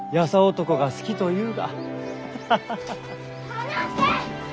・離せ！